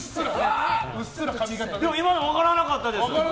でも今の分からなかったです。